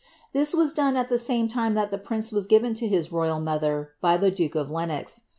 This was done at the same time that the prince was given to his royal mother by the duke of Lenox.